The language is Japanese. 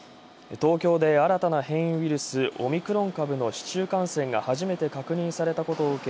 東京で新たな変異ウイルス「オミクロン株」の市中感染が初めて確認されたことをうけ